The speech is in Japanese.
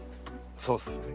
そうですね。